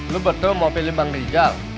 lu betul mau pilih bang rizal